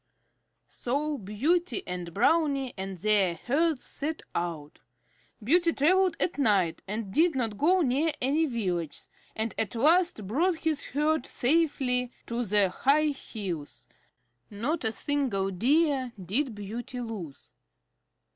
So Beauty and Brownie and their herds set out. Beauty traveled at night and did not go near any villages, and at last brought his herd safely to the high hills. Not a single Deer did Beauty lose.